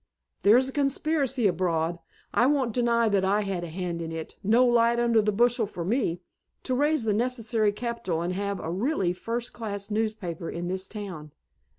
"There's a conspiracy abroad I won't deny I had a hand in it no light under the bushel for me to raise the necessary capital and have a really first class newspaper in this town.